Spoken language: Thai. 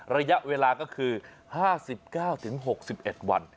ระยะเวลาก็คือ๕๙๖๑วัน